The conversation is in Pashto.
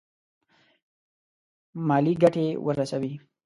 مالي ګټي ورسوي.